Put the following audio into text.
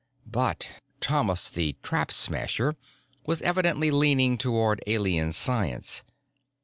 But Thomas the Trap Smasher was evidently leaning toward Alien science.